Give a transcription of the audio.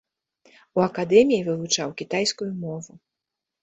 У акадэміі вывучаў кітайскую мову.